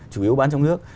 chủ yếu bán trong nước